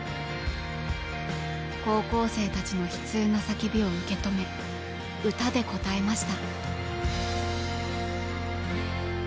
高校生たちの悲痛な叫びを受け止め歌で応えました。